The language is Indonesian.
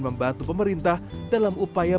membantu pemerintah dalam upaya